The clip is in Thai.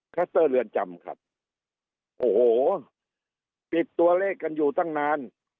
เตอร์เรือนจำครับโอ้โหปิดตัวเลขกันอยู่ตั้งนาน